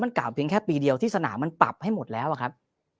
กล่าวเพียงแค่ปีเดียวที่สนามมันปรับให้หมดแล้วอะครับ